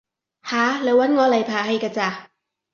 吓？你搵我嚟排戲㗎咋？